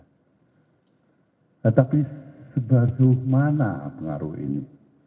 nah tapi sebaruh mana pengaruh ini